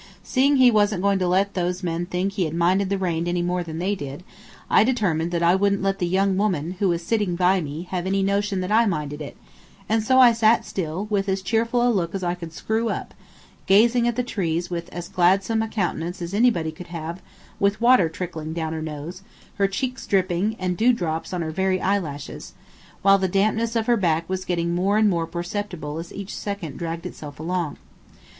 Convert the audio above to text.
Seeing he wasn't going to let those men think he minded the rain any more than they did, I determined that I wouldn't let the young woman who was sitting by me have any notion that I minded it, and so I sat still, with as cheerful a look as I could screw up, gazing at the trees with as gladsome a countenance as anybody could have with water trickling down her nose, her cheeks dripping, and dewdrops on her very eyelashes, while the dampness of her back was getting more and more perceptible as each second dragged itself along.